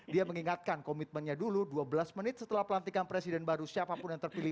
dia mengingatkan komitmennya dulu dua belas menit setelah pelantikan presiden baru siapapun yang terpilih